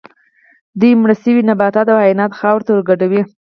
دوی مړه شوي نباتات او حیوانات خاورې ته ورګډوي